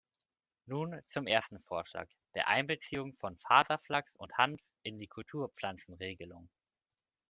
Nun zum ersten Vorschlag, der Einbeziehung von Faserflachs und -hanf in die Kulturpflanzenregelung.